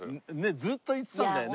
ずっと言ってたんだよね。